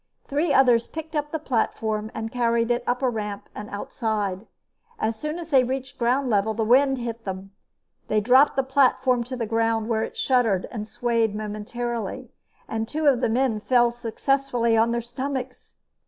Three others picked up the platform and carried it up a ramp and outside. As soon as they reached ground level, the wind hit them. They dropped the platform to the ground, where it shuddered and swayed momentarily, and two of the men fell successfully on their stomachs.